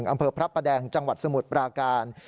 อำเภอพระประแดงจังหวัดสมุทรปราการ